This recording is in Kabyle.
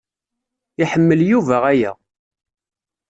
Iḥemmel Yuba aya.